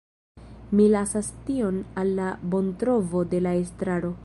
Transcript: Mi lasas tion al la bontrovo de la estraro.